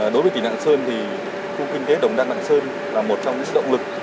đối với tỉnh lạng sơn thì khu kinh tế đồng đăng lạng sơn là một trong những động lực